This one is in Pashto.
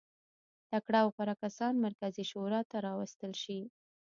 تکړه او غوره کسان مرکزي شورا ته راوستل شي.